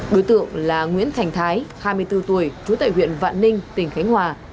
đối tượng là nguyễn thành thái hai mươi bốn tuổi trú tại huyện vạn ninh tỉnh khánh hòa